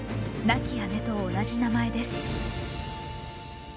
亡き姉と同じ名前です。